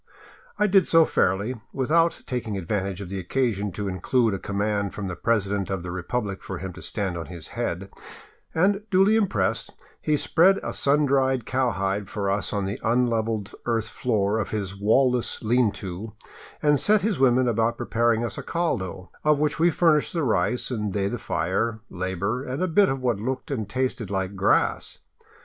I did so fairly, without taking advantage of the occasion to include a com mand from the president of the republic for him to stand on his head, and, duly impressed, he spread a sun dried cowhide for us on the unlevelled earth floor of his wall less lean to, and set his women to preparing us a caldo, of which we furnished the rice and they the fire, labor, and a bit of what looked and tasted like grass.